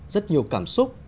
rất nhiều cảm xúc